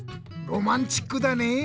ロマンチックだねぇ！